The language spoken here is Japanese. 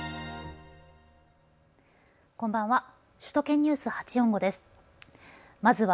こんばんは。